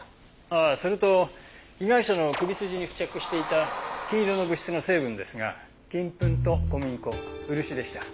ああそれと被害者の首筋に付着していた金色の物質の成分ですが金粉と小麦粉漆でした。